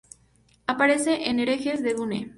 Aparece en Herejes de Dune.